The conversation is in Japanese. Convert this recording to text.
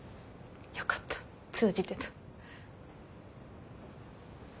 よかった通じてた。